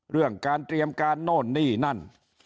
เรื่องการเตรียมการโน่นนี่นั่น